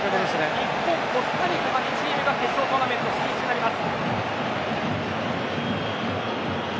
日本、コスタリカの２チームが決勝トーナメント進出となります。